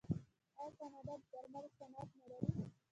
آیا کاناډا د درملو صنعت نلري؟